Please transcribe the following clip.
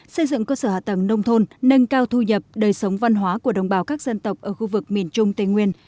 xây dựng cơ sở hạ tầng nông thôn nâng cao thu nhập đời sống văn hóa của đồng bào các dân tộc ở khu vực miền trung tây nguyên